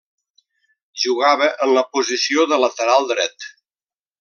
Jugava en la posició de lateral dret.